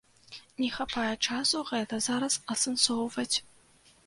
Не хапае часу гэта зараз асэнсоўваць.